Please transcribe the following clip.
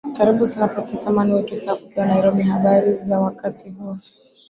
karibu sana profesa manu wekesa ukiwa nairobi habari za wakati huu